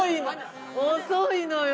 遅いのよ！